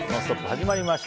始まりました。